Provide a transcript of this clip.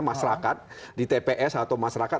masyarakat di tps atau masyarakat